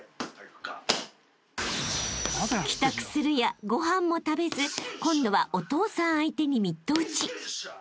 ［帰宅するやご飯も食べず今度はお父さん相手にミット打ち］